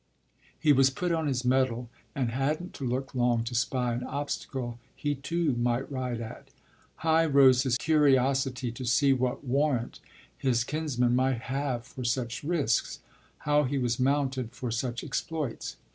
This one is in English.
He was put on his mettle and hadn't to look long to spy an obstacle he too might ride at. High rose his curiosity to see what warrant his kinsman might have for such risks how he was mounted for such exploits.